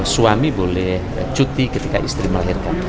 suami boleh cuti ketika istri melahirkan